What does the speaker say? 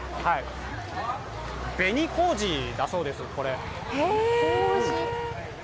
紅こうじだそうです、これ。